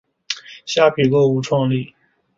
虾皮购物创立。